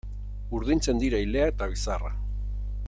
Urdintzen dira ilea eta bizarra.